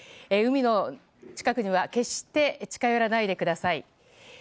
海の近くには決して近寄らないでください。